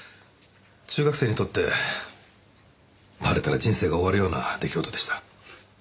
中学生にとってバレたら人生が終わるような出来事でした。